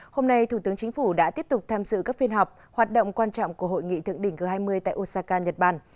hôm nay thủ tướng chính phủ đã tiếp tục tham dự các phiên họp hoạt động quan trọng của hội nghị thượng đỉnh g hai mươi tại osaka nhật bản